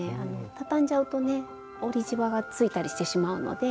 畳んじゃうとね折りじわがついたりしてしまうので。